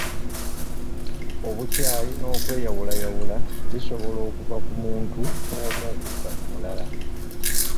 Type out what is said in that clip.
Obukyayi n'okweyawulayawula bisobola okuva ku muntu omu okudda ku mulala.